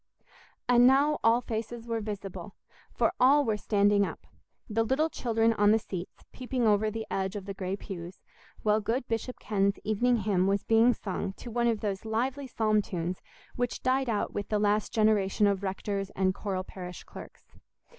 And now all faces were visible, for all were standing up—the little children on the seats peeping over the edge of the grey pews, while good Bishop Ken's evening hymn was being sung to one of those lively psalm tunes which died out with the last generation of rectors and choral parish clerks.